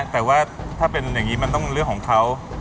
แต่ว่าถ้าเป็นอย่างนี้มันต้องเรื่องของเขา